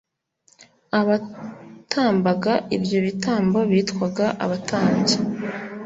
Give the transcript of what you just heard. abatambaga ibyo bitambo bitwaga , abatambyi